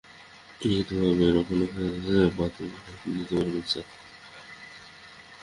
লিখিতভাবে রক্ষণাবেক্ষণ পত্র দিলেই আপনি নিতে পারবেন, স্যার।